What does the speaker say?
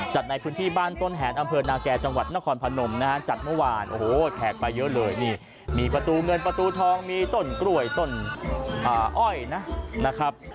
จัดในพื้นที่บ้านต้นแหนอำเภอนาแก่จังหวัดนครพนมนะฮะจัดเมื่อวานโอ้โหแขกไปเยอะเลยนี่มีประตูเงินประตูทองมีต้นกล้วยต้นอ้อยนะครับ